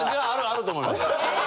あると思います。